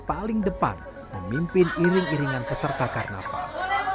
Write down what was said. paling depan memimpin iring iringan peserta karnaval